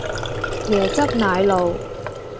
椰汁奶露